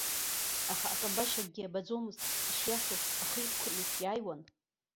Аха акамбашь акгьы абаӡомызт, ишиашоу ахы иқәкны иааиуан.